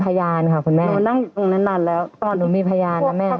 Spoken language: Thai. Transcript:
พยานค่ะคุณแม่หนูนั่งตรงนั้นนานแล้วตอนหนูมีพยานนะแม่